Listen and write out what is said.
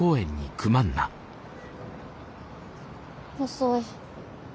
遅い。